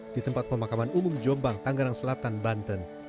di tempat pemakaman umum jombang tanggerang selatan banten